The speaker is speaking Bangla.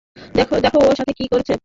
দেখ ওর সাথে কি করেছে।